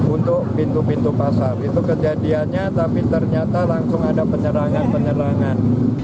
untuk pintu pintu pasar itu kejadiannya tapi ternyata langsung ada penyerangan penyerangan